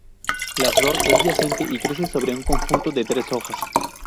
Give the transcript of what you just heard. La flor es yacente, y crece sobre un conjunto de tres hojas.